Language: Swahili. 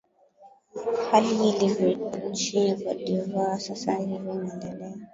hali ilivyo nchini cote de voire sasa hivi inaendelea